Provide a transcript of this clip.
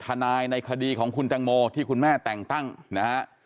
ทนายในคดีของคุณแตงโมที่คุณแม่แต่งตั้งนะฮะ